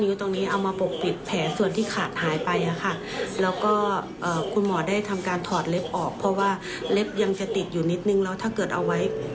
ว่าเล็บยังจะติดอยู่นิดนึงแล้วถ้าเกิดเอาไว้